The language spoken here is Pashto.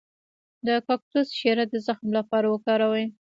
د کاکتوس شیره د زخم لپاره وکاروئ